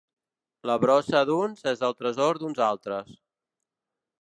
La brossa d'uns és el tresor d'uns altres.